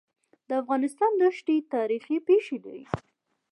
د افغانستان دښتي تاریخي پېښې لري.